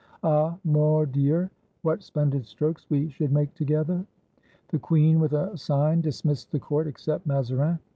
Ah, mordieul what splendid strokes we should make together!" The queen with a sign dismissed the court, except Mazarin.